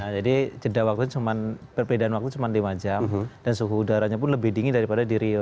jadi perbedaan waktu cuma lima jam dan suhu udaranya pun lebih dingin daripada di rio